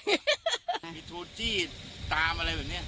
มีโทรจี้ตามอะไรแบบนี้